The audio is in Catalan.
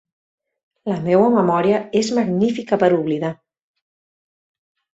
La meua memòria és magnífica per oblidar.